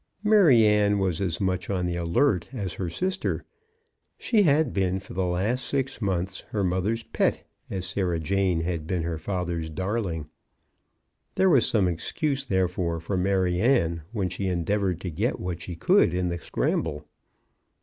Maryanne was as much on the alert as her sister. She had been for the last six months her mother's pet, as Sarah Jane had been her father's darling. There was some excuse, therefore, for Maryanne when she endeavoured to get what she could in the scramble.